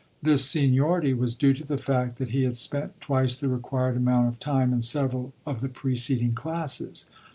This seniority was due to the fact that he had spent twice the required amount of time in several of the preceding classes.